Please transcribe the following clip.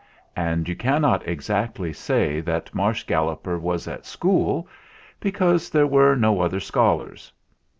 And you cannot exactly say that Marsh Galloper was at school, be cause there were no other scholars.